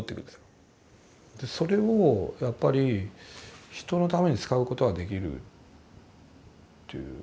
それをやっぱり人のために使うことができるという。